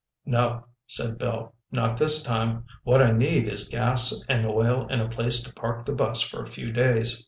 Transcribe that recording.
"No," said Bill, "not this time. What I need is gas and oil and a place to park the bus for a few days.